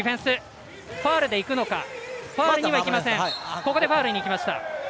ここでファウルにいきました。